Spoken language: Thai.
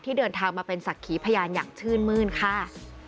ที่เดินทางมาเป็นสักขีพญานอย่างชื่นมืนค่ะ